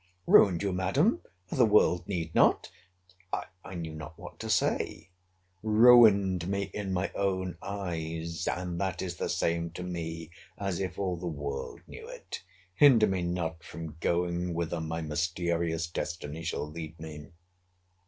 — Ruined you, Madam—the world need not—I knew not what to say. Ruined me in my own eyes; and that is the same to me as if all the world knew it—hinder me not from going whither my mysterious destiny shall lead me.